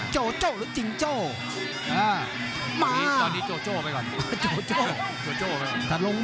โจ้โจ้ตอนนี้โจโจ้ไปก่อน